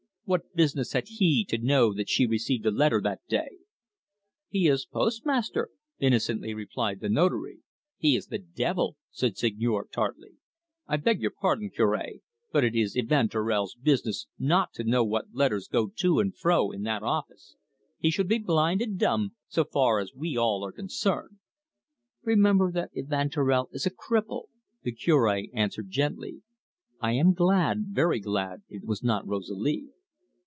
"What business had he to know that she received a letter that day?" "He is postmaster," innocently replied the Notary. "He is the devil!" said the Seigneur tartly. "I beg your pardon, Cure; but it is Evanturel's business not to know what letters go to and fro in that office. He should be blind and dumb, so far as we all are concerned." "Remember that Evanturel is a cripple," the Cure answered gently. "I am glad, very glad it was not Rosalie."